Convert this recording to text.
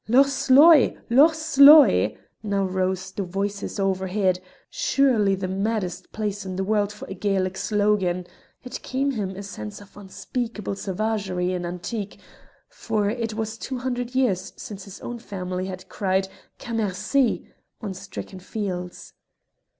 "Loch Sloy! Loch Sloy!" now rose the voices overhead, surely the maddest place in the world for a Gaelic slogan: it gave him a sense of unspeakable savagery and antique, for it was two hundred years since his own family had cried "Cammercy!" on stricken fields.